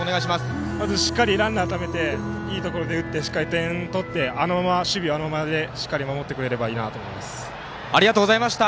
まずしっかりランナーをためていいところで打ってしっかり点を取って、守備もあのままでいってくれればありがとうございました。